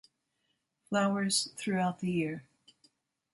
Flowers throughout the year.